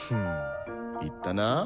言ったな。